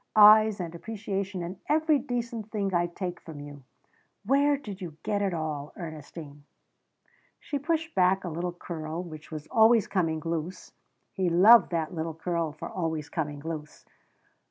Eyes and appreciation and every decent thing I take from you. Where did you get it all, Ernestine?" She pushed back a little curl which was always coming loose, he loved that little curl for always coming loose.